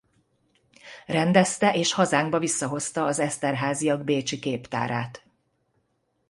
Rendezte és hazánkba visszahozta az Esterházyak bécsi képtárát.